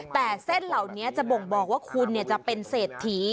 แต่เส้นเหล่านี้จะบ่งบอกว่าคุณจะเป็นเศรษฐี